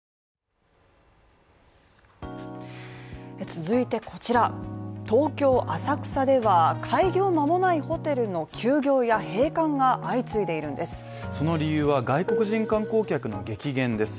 続いてこちら東京・浅草では、開業間もないホテルの休業や閉館が相次いでいるんですその理由は外国人観光客の激減です。